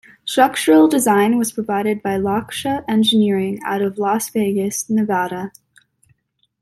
Structural design was provided by Lochsa Engineering out of Las Vegas, Nevada.